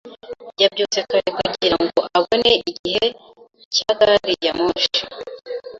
Yabyutse kare kugirango abone igihe cya gari ya moshi.